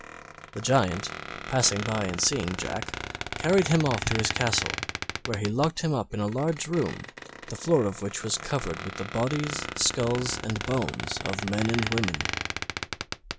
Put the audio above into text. The Giant, passing by and seeing Jack, carried him to his castle, where he locked him up in a large room, the floor of which was covered with the bodies, skulls, and bones of men and women.